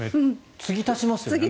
つぎ足しますよね。